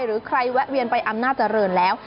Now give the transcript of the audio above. หรือใครแวะเวียนไปอำนาจริงแล้ว